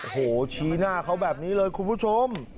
โหชี้หน้าเขาแบบนี้เลยคุณผู้ชม